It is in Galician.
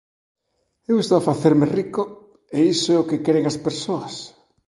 Eu estou a facerme rico e iso é o que queren as persoas.